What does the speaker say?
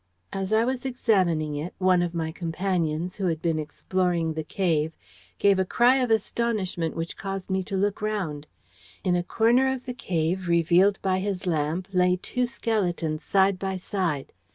"As I was examining it, one of my companions, who had been exploring the cave, gave a cry of astonishment which caused me to look round. In a corner of the cave, revealed by his lamp, lay two skeletons side by side.